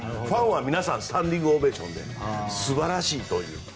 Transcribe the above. ファンは皆さんスタンディングオベーションで素晴らしいという。